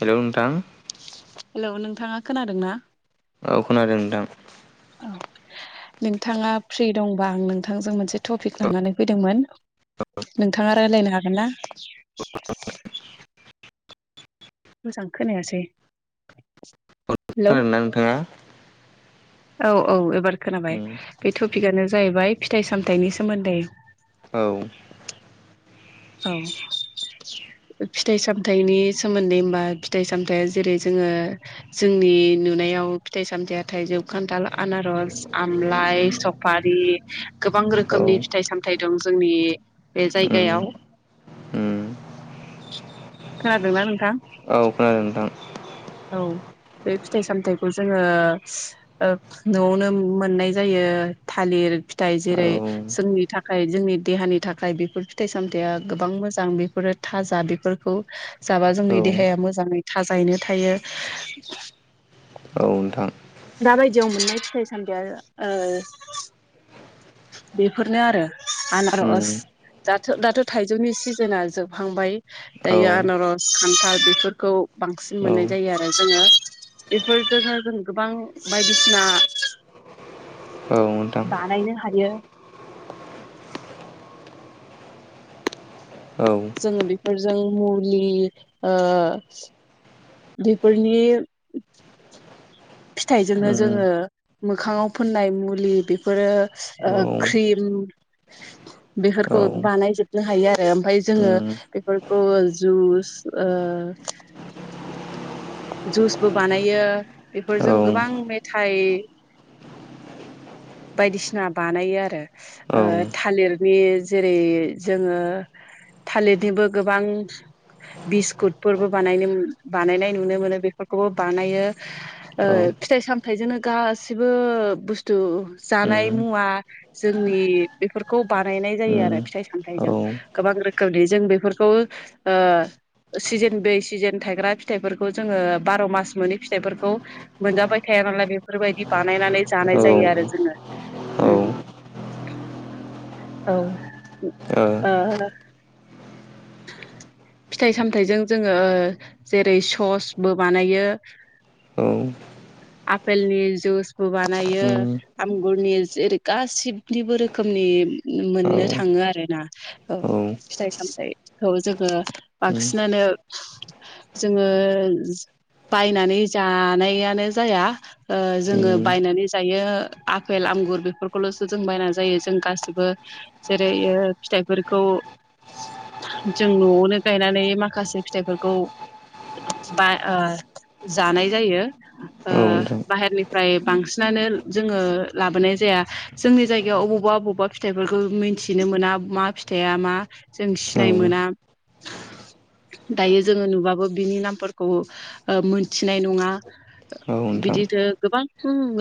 हेल' नोंथां हेलौ नोंथाङा खोनादोंना? औ खोनादों नोंथां औ नोंथाङा फ्रि दंबा आं नोंथांजों मोनसे टपिक लानानै फैदोंमोन औ नोंथाङा राय्लायनो हागोन ना [inaudible] [inaudible] मोजां खोनायासै। हेलौ खोन ना नोंथाङा औ औ एबार खोनाबाय उम बे टपिकआनो जाहैबाय फिथाइ सामथायाइनि सोमोन्दै औ औ फिथाइ सामथायाइनि सोमोन्दै होमबा फिथाइ सामथाया जेरै जोङो जोंनि नुनायाव फिथाइ सामथायाइयाथाय जौ खान्थाल आनारस आमलााय स बेफारि गोबां औ रोखोमनि फिथाइ सामथायाइ दं जोंनि बे उम जायगायाव उम खोनादोंना नोंथां। औ खोनादों नोंथां औ बे फिथाइ सामथायाइखौ जोङो न'आवनो मोननाय जायो थालिर फिथाइ औ जेरै जोंनि थाखाय जोंनि देहानि थाखाय बेफोर फिथाइ सामथायाइया गोबां मोजां बेफोरो थाजा बेफोरखौ जाबा जोंनि औ देहाया मोजाङै थाजायैनो थायो औ नोंथां दा बायदियाव मोननाय फिथाइ सामथायाइया बेफोरनो आरो उम आनारस दाथ' दाथ' थाइजौनि सिजोना जोबहांबाय औ दायो आनारस खान्थाल बेफोरखौ बांसिन औ मोननाय जायो आरो जोङो बेफोरजोंनो जों गोबां बायदिसिना औ मोनथाम बानायनो हायो औ जोङो बेफोरजों मुलि बेफोरनि फिथाइजोंनो उम जोङो मोखाङाव फोननाय मुलि बेफोरो औ क्रिम उम औ बेफोरखौ औ बानायजोबनो हायो आरो ओमफफ्राय जोङो उम बेफोरखौ जुस जुसबो बानायो उम औ बेफोरजों गोबां औ मेथाइ बायदिसिना बानायो आरो औ थालिरनि जेरै जोङो थालिरनिबो गोबां बिस्कुटफोरबो बानायनो बानायनाय न नुनो मोनो बेफोरखौबो बानायो ओ औ फिथाइ सामथायाइजोंनो गासिबो बुस्थु उम जानाय मुवा जोंनि बेफोरखौ बानायनाय जायो आरो फिथाइ सामथायाइजों गोबां रोखोमनि जों बेफोरखौ सिजेन बै सिजेन थायग्रा फिथाइफोरखौ खौ जोङो बार' मास मोनै फिथाइफोरखौ मोनजाबाय थाया नालाय बेफोरबायदि बानायनानै जानाय जायो आरो जोङो उ औ औ फिथाइ सामथजों जो जेरै सस बो बानायो द आफेलनि जुइसबो बानायो आमगुरनि जेरै गासिबनिबो रोखोमनि औ मोननो थाङो आरोना औ उम फिथाइ सामथाइखौ जोङो बांसिनानो जोङो बायनानै जानायानो जाया ओ जोङो उम बायनानै जायो आफेल आंगुर बेफोरखौल'सो जों बायना जायो जों गासिबो जेरैओ फिथाइफोरखौ जों न'आवनो गायनानै माखासे फिथाइफोरखौ बा ओ जानाय जायो औ नोंथां बाहेरनि फ्राय बांसिनानो जोङो लाबोनाय जाया जोंनि जायगायाव अबावबा बबावबा फिथाइफोरखौ मिथिनो मोना मा फिथाइया मा जों औ सिनाय मोना दायो जोङो नुबाबो बिनि नामफोरखौओ मोनथिनाय नङा औ नोंथां बिदिनो गोबां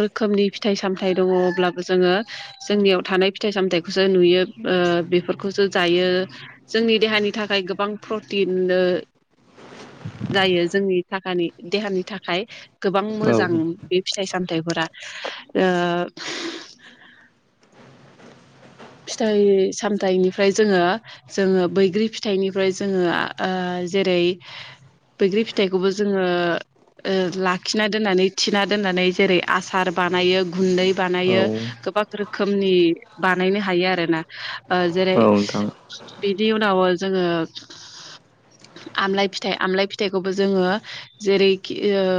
रोखोमनि फिथाइ सामथायाइ दङ अब्लाबो जोङो जोंनियाव थानाय फिथाइ सामथायाइखौसो नुयो ओ बेफोरखौसो जायो जोंनि देहानि थाखाय गोबां प्रटिननो जायो जोंनि थाखानि देहानि थाखाय गोबां औ मोजां। बे फिथाइ सामथायफोरा ओ फिथाइ सामथाइनिफ्राय जोङो जोङो बैग्रि फिथाइनिफ्राय जोङो ओ जेरै बैग्रि फिथाइखौबो जोङो ओ लाखिना दोननानै थिना दोननानै जेरै आसार बानायो गुन्दै औ बानायो गोबाब रोखोमनि बानायनो हायो आरोना जेरै नोंथां बिनि उनाव जोङो आमलाय फिथाइ आमलाय फिथाइखौबो जोङो जेरैखि ओ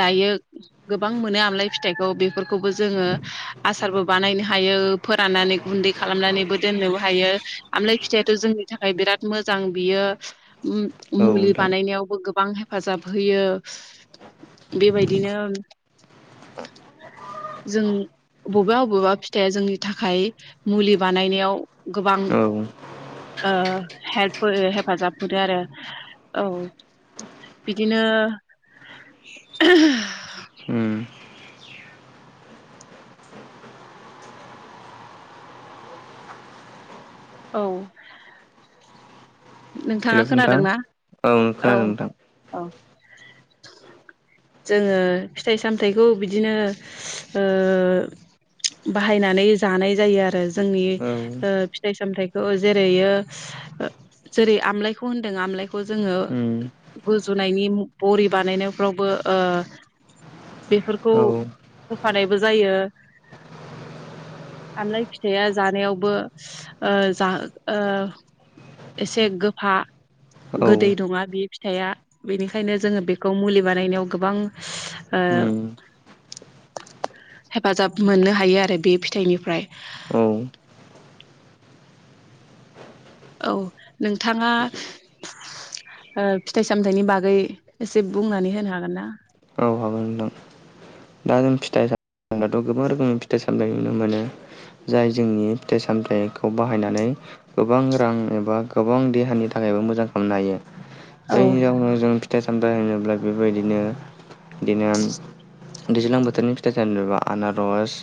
दायो गोबां मोनो आमलाय फिथाइखौ बेफोरखौबो जोङो आसारबो बानायनो हायो फोराननानै गुन्दै खालामनानैबो दोननोबो हायो आमलाय फिथायाथ' जोंनि थाखाय बिराद मोजां बियो उ औ मुलि नोंथां बानायनायावबो गोबां हेफाजाब होयो बेबायदिनो जों बबेबा बबेबा फिथाया जोंनि थाखाय मुलि बानायनायाव गोबां औ ओ हेल्प होयो हेफाजाब होदो आरो औ बिदिनो ओ उम औ नोंथाङा हेलौ नोंथां खोनादोंना औ खोनादों नोंथां औ जोङो फिथाइ सामथाइखौ बिदिनो ओ बाहायनानै जानाय जायो आरो जोंनि औ ओ फिथाइ सामथखौ जेरैओ जेरै आमलाायखौ होनदों आमलायखौ जोङो उम गुजुनायनि बरि बानायनायफ्रावबो ओ बेफोरखौ औ औ होफानायबो जायो आमलाय फिथाया जानायावबो ओ जा ओ एसे गोफा गोदै नङा बे फिथाया बेनिखायनो जोङो बेखौ मुलि बानायनायाव गोबां ओ उम हेफाजाब मोननो हायो आरो बे फिथाइनिफ्राय औ औ नोंथाङा ओ फिथाइ सामथाइनि बागै एसे बुंनानै होनो हागोन ना? औ हागोन नोंथां दा जों फिथाइ सामनायाथ' गोबां रोखोमनि फिथाइ सामथाय नुनो मोनो जाय जोंनि फिथाइ सामथाइखौ बाहायनानै गोबां रां एबा गोबां देहानि थाखायबो मोजां खालामनो हायो औ जायनि जाहोनाव जों फिथाइ सामथाइ होनोब्ला बेबायदिनो बिदिनो दैज्लां बोथोरनि फिथाइ सामथाइ बा आनारस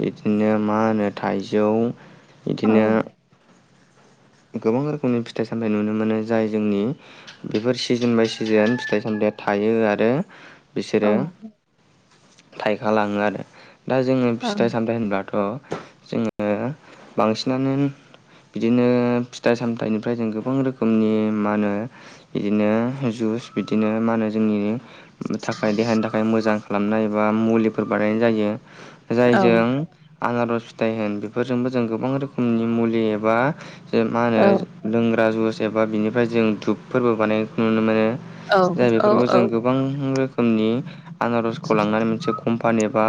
बिदिनो मा होनो थाइजौ औ इदिनो गोबां रोखोमनि फिथाइ सामथाय नुनो मोनो जाय जोंनि बेफोर सिजोन बाय सिजोन फिथाइ सामथाया थायो आरो औ बिसोरो थाइखा लाङो आरो दा जोङो फिथाइ औ सामथाइ होनबाथ' जोङो बांसिनानो बिदिनो फिथाइ सामथाइनिफ्राय जों गोबां रोखोमनि मानो? बिदिनो जुस बिदिनो मानो जोंनि थाखाय देहानि थाखाय मोजां खालामनाय एबा मुलिफोर बानायनाय जायो जायजों आनारस फिथाइ होन बेफोरजोंबो जों गोबां रोखोमनि मुलि एबा मा औ होनो लोंग्रा जुस एबा बिनिफ्राय जों धुपफोरबो बानायनायखौ नुनो मोनो जाय औ बेफोरखौ जों औ गोबां रोखोमनि। आनारजखौ लांनानै मोनसे कम्पानि बा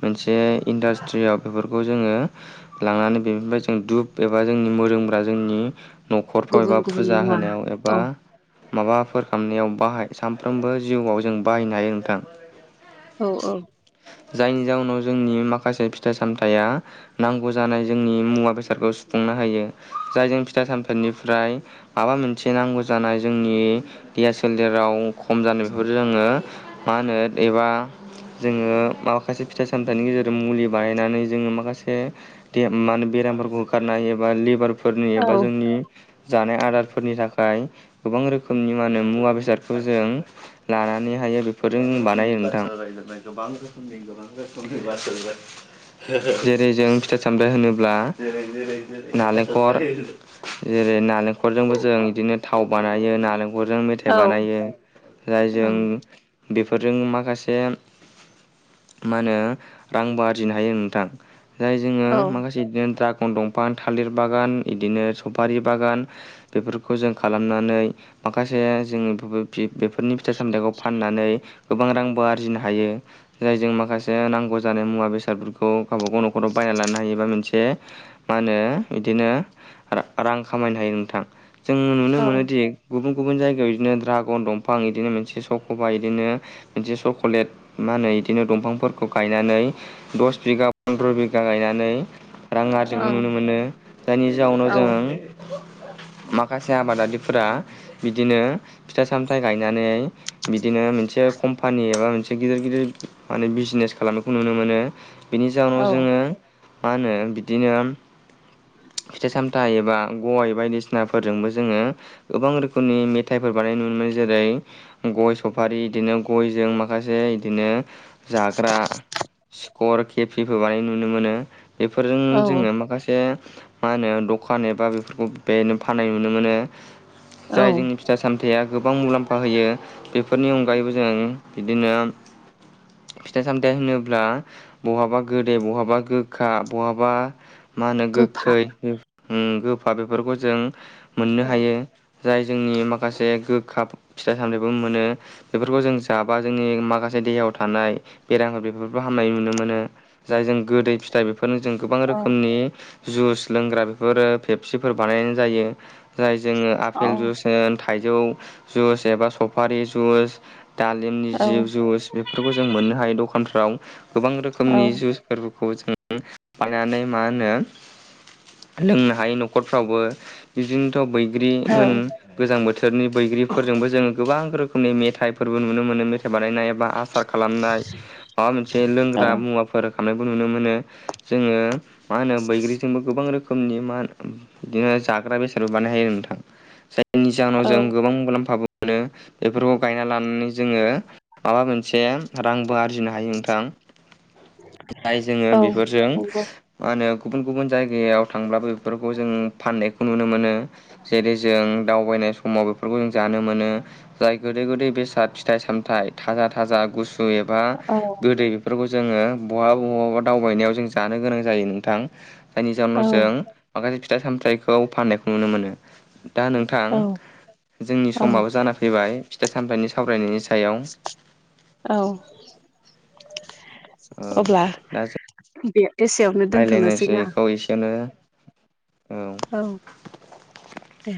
मोनसे इन्डास्ट्रियाव बेफोरखौ जोङो लांनानै बेनिफ्राय जों धुुब एबा जोंनि मोदोमग्रा जोंनि न'खरफ्राव गुबुन एबा गुबुन फुजा मुवा होनायाव औ एबा माबाफोर खालामनायाव बाहाय सानफ्रोमबो जिउआव जों बाहायनो हायो नोंथां। औ औ जायनि जाउनाव जोंनि माखासे फिथाइ सामथाया नांगौ जानाय जोंनि मुवा बेसादखौ सुफुंनो हायो। जायजों फिथा सामथनिफ्राय माबा मोनसे नांगौ जानाय जोंनि देया सोलेराव खम जानाय बेफोर जोङो। मा होनो एबा जोङो माखासे फिथाइ सामथाइनि गेजेरजों मुलि बानायनानै जोङो माखासे- दे मा होनो बेरामफोरखौ होखारनो हायो। एबा लेबारफोरनि औ एबा जोंनि जानाय आदारफोरनि थाखाय गोबां रोखोमनि मा होनो मुवा बेसादखौ जों लानानै हायो बेफोरजों बानायो नोंथां। गोबां रोखोमनि [unintelligible] जेरै जों फिथाइ सामबथाइ होनोब्ला नालें खर जेरै नालेंखरजोंबो जों बिदिनो थाव बानायो नालें 'खरजों मेथाइ औ बानायो औ जायजों बेफोरजों माखासे मा होनो रांबो आरजिनो हायो नोंथां। जाय जोंङो औ माखासे बिदिनो द्रागन दंफां थालिर बागान इदिनो सफारि बागान बेफोरखौ जों खालामनानै माखासे जोंनि [unintelligible] बेफोरनि फिथाइ सामथाइखौ फाननानै गोबां रांबो आरजिनो हायो जायजों माखासे नांगौ जानाय मुवा बेसादफोर खौ गावबाागाव न'खराव बायना लानो हायोबा मोनसे मा होनो बिदिनो रा रां खामायनो हायो नोंथां। जों नुनो औ मोनोदि गुबुन गुबुन जायगायाव बिदिनो दड्रागन दंफां बिदिनो मोनसे सख'बा इदिनो मोनसे चक'लेट मा होनो इदिनो दंफांफोरखौ गायनानै दस बिगा फन्द्र' बिगा गायनानै रां आरजिखौ नुनो मोनो जायनि जाउनाव जों माखासे आबादारिफोरा बिदिनो फिथाइ सामथाइ गायनानै बिदिनो मोनसे कम्पानि एबा मोनसे गिदिर गिदिर माने बिजनेस खालामनायखौ नुनो मोनो। बेनि जाहोनाव औ जोङो मा होनो बिदिनो फिथाइ सामथाइ एबा गय बायदिसिनाफोरजोंबो जोङो गोबां रोखोमनि मेथाइफोर बानायनाय नुनो मोनो। जेरै गय सफारि इदिनो गयजों माखासे इदिनो जाग्रा स्कर केपिबो बानाय नुनो मोनो बेफोरजों जोङो औ माखासे मा होनो दखान एबा बेफोरखौ बेनो फाननाय नुनो मोनो जाय जोंनि फिथा सामथायया गोबां मुलाम्फा होयो बेफोरनि अनगायैबो जों बिदिनो फिथाइ सामथायाइ होनोब्ला बहाबा गोदै बहाबा गोखा बहाबा मा होनो गोफा गोखै गोफा बेफोरखौ जों मोननो औ हायो। जाय जोंनि माखासे गोखा फिथाइ सामथाइबो मोनो बेफोरखौ जों जाबा जोंनि माखासे देहायाव थानाय बेरामफोर बेफोरखौ हामनाय नुनो मोनो जाय जों गोदै फिथाइ बेफोरनो जों गोबां औ रोखोमनि जुइस लोंग्रा बेफोरो फेपसिफोर बानायनाय जायो जाय जोङो औ आफपेल जुइस होन थाइजौ जुइस एबा सफारि जुस दालिमनि औ जि जुस बेफोरखौ जों मोननो हायो दखानफ्राव गोबां रोखोमनि जुइस फोरबोखौ जों बनानै मा होनो लोंनो हायो न'खरफ्रावबो बिदिनोथ' बैग्रि औ होन गोजां बोथोरनि बैग्रिफोरजोंबो जोङो गोबां रोखोमनि मेथाइफोरबो नुनो मोनो मेथाइ बानायनाय एबा आसार खालामनाय माबा मोनसे लोंग्रा मुवा फोरखांनायखौ नुनो मोनो जोङो मा होनो बैग्रिजोंबो गोबां रोखनि मा बिदिनो जाग्रा बेसादबो बानाय हायो नोंथां। जायनि जाहोनाव औ जों गोबां मुलाम्फाबो मोनो बेफोरखौ गायना लानानै जोङो माबा मोनसे रांबो आरजिनो हायो नोंथां जाय जोङो औ बेफोरजों नंगौ मा होनो गुबुन गुबुन जायगायाव थांब्लाबो बेफोरखौ जों फाननायखौ नुनो मोनो जेरै जों दावबायनाय समाव बेफोरखौ जों जानो मोनो जाय गोदै गोदै बेसाद फिथाइ सामथाइ थाजा थाजा गुसु एबा औ बा गोदै बेफोरखौ जोङो बहाबा बहाबा दावबायनायाव जों जानो गोनां जायो नोंथां जायनि जाहनाव औ जों माखासे फिथाइ सामथायाइखौ फाननायखौ नुनो मोनो दा नोंथां जोंनि औ समाबो जानाै फैबाय फिथाइ सामथायनि सावरायनायनि सायाव औ ओ अब्ला दे राय्लायनायसै बेखौ एसेयावनो औ औ दे